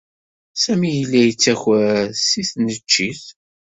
Sami yella yettaker seg tneččit.